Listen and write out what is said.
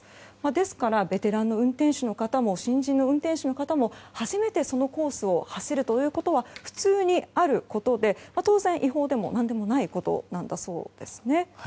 ですからベテランの運転手の方も新人の運転手の方も初めて、そのコースを走るということは普通にあることで当然、違法でも何でもないことなんだそうですね。